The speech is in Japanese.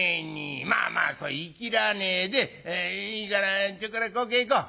まあまあそういきらねえでいいからちょっくらこけへこう。